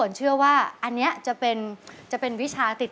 แม่เรารุ่นใหม่เจ็ดใหม่